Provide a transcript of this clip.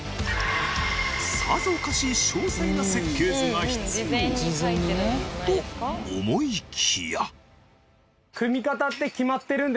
さぞかし詳細な設計図が必要と思いきや。